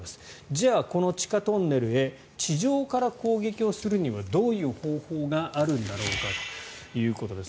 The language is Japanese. じゃあこの地下トンネルへ地上から攻撃をするにはどういう方法があるんだろうかということです。